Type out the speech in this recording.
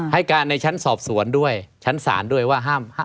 ให้การในชั้นสอบสวนด้วยชั้นศาลด้วยว่าห้าม